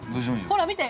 ほら見て。